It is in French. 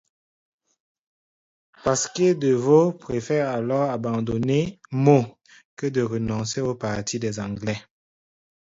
Pasquier de Vaux préfère alors abandonner Meaux, que de renoncer au parti des anglais.